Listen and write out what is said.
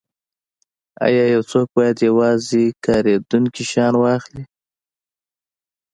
ایا یو څوک باید یوازې کاریدونکي شیان واخلي